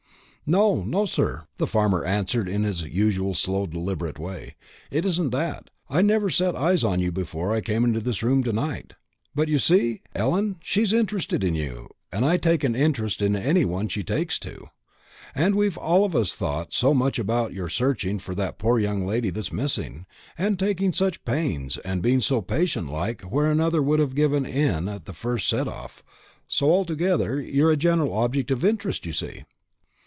"No, no, sir," the farmer answered in his usual slow deliberate way; "it isn't that; I never set eyes on you before I came into this room to night. But you see, Ellen, she's interested in you, and I take an interest in any one she takes to. And we've all of us thought so much about your searching for that poor young lady that's missing, and taking such pains, and being so patient like where another would have given in at the first set off so, altogether, you're a general object of interest, you see."